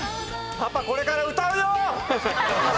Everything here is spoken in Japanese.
パパこれから歌うよ！